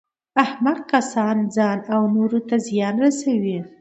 احمق کسان ځان او نورو ته زیان رسوي.